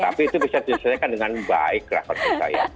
tapi itu bisa diselesaikan dengan baik lah menurut saya